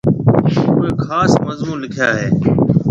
اُوئي خاص مضمُون لِکيا هيَ۔